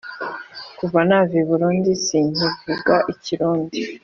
Kuva nava I Burundi sinkivuga ikirundi